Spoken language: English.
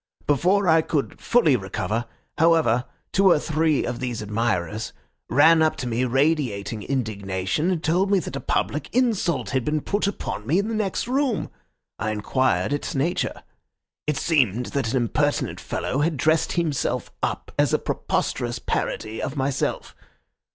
Before I could fully recover, however, two or three of these admirers ran up to me radiating indignation, and told me that a public insult had been put upon me in the next room. I inquired its nature. It seemed that an impertinent fellow had dressed himself up as a preposterous parody of myself.